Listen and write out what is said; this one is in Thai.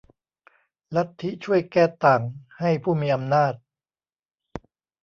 ลัทธิช่วยแก้ต่างให้ผู้มีอำนาจ